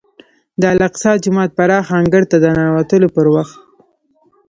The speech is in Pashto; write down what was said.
د الاقصی جومات پراخ انګړ ته د ننوتلو پر وخت.